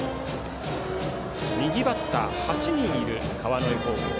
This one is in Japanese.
右バッター８人いる川之江高校。